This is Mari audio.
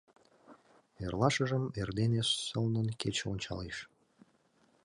Эрлашыжым эрдене сылнын кече ончалеш.